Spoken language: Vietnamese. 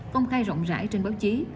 công khai rộng rãi trên báo chí